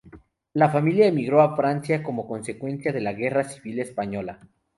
La familia emigró a Francia como consecuencia de la Guerra Civil española.